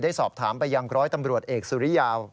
สอบถามไปยังร้อยตำรวจเอกสุริยาว